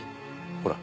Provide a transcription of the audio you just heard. ほら。